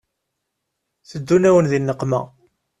Teddun-awen di nneqma